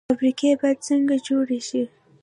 فابریکې باید څنګه جوړې شي؟